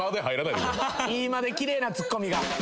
いい間で奇麗なツッコミが。